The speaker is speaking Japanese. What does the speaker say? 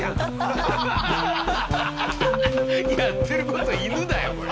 やってる事犬だよこれ。